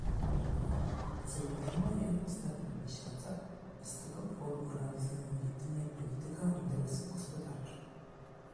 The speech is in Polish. Zauważono je w ostatnich miesiącach i z tego powodu realizują jedynie politykę interesów gospodarczych